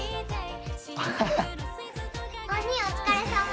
お兄お疲れさま。